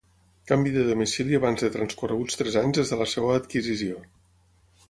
Canvi de domicili abans de transcorreguts tres anys des de la seva adquisició.